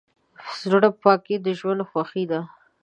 زړه پاکي د ژوند خوښي ده.